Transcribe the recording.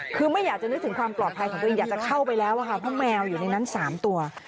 คือไม่อยากจะนึกถึงความปลอดภัยของตัวเองอยากจะเข้าไปแล้วค่ะเพราะแมวอยู่ในนั้น๓ตัว